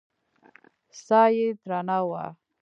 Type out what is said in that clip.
ساه يې درنه وه.